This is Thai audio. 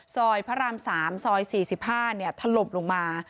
ซอยพระราม๓ซอย๔๕เนี่ยถลบลงมา